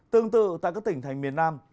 tương tự tại các tỉnh thành miền nam